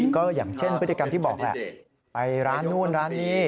ก็อย่างเช่นพฤติกรรมที่บอกแหละไปร้านนู่นร้านนี้